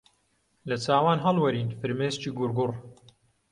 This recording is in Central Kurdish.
لە چاوان هەڵوەرین فرمێسکی گوڕگوڕ